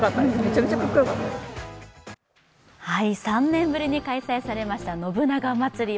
３年ぶりに開催されました信長まつり。